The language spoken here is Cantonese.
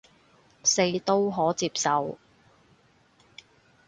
四都可接受